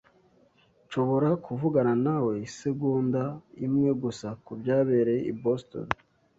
Nshobora kuvugana nawe isegonda imwe gusa kubyabereye i Boston?